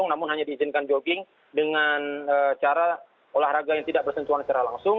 menteri kanan gisika magidjo menteri kanan ibu dan menteri kanan ibu dan menteri kanan